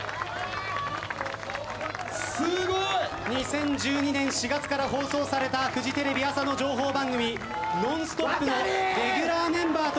２０１２年４月から放送されたフジテレビ朝の情報番組『ノンストップ！』のレギュラーメンバーとして早１２年。